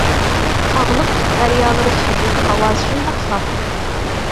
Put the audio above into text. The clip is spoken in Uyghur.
تاغلىق، دەريالىرى سۈزۈك، ھاۋاسى شۇنداق ساپ.